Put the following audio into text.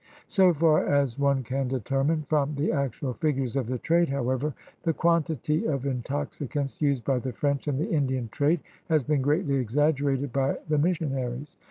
So far as one can determine from the actual figures of the trade, however, the quantity of intoxicants used by the French in the Indian trade has been greatly exaggerated by the mis sionaries.